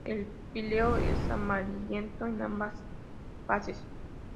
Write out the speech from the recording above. El píleo es amarillento en ambas fases.